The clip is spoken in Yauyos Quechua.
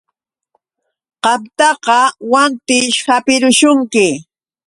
Qamtaqa wantićh hapirishunki.